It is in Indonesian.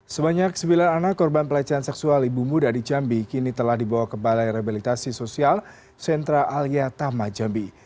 sebanyak sembilan anak korban pelecehan seksual ibu muda di jambi kini telah dibawa ke balai rehabilitasi sosial sentra alia tama jambi